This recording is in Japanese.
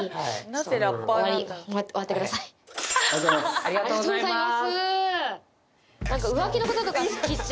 ありがとうございます。